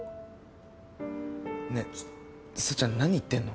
ねえさっちゃん何言ってんの？